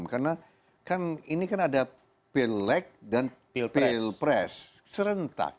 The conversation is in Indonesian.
karena kan ini kan ada pelek dan pilpres serentak